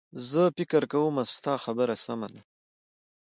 زه فکر کوم ستا خبره سمه ده